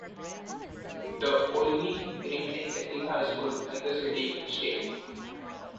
The only remaining Catholic high school in the city, Ste.